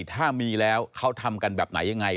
ถ้ามีแล้วเขาทำกันแบบไหนยังไง